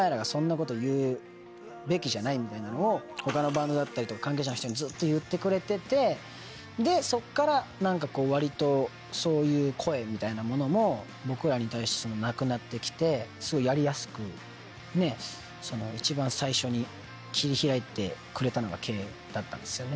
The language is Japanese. みたいなのを他のバンドだったり関係者の人にずっと言ってくれててでそこから何か割とそういう声みたいなものも僕らに対してなくなって来てすごいやりやすく一番最初に切り開いてくれたのがＫだったんですよね。